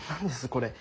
これ。